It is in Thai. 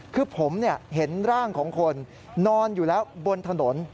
คือผมเห็นร่างของคนนอนอยู่แล้วบนถนน